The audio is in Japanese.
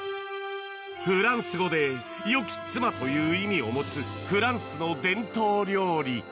フランス語でという意味を持つフランスの伝統料理